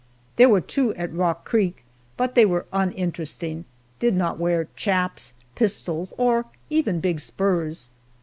There were two at Rock Creek, but they were uninteresting did not wear "chaps," pistols, or even big spurs.